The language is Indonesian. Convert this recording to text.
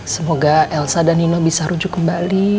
semoga elsa dan nino bisa rujuk kembali